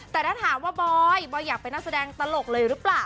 แต่ถ้าถามว่าบอยบอยอยากเป็นนักแสดงตลกเลยหรือเปล่า